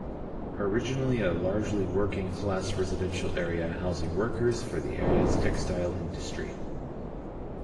Originally a largely working class residential area housing workers for the areas textile industry.